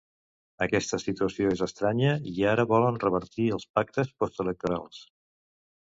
Aquesta situació és estranya i ara volen revertir els pactes postelectorals.